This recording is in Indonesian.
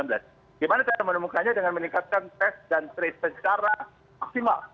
bagaimana cara menemukannya dengan meningkatkan tes dan trace secara maksimal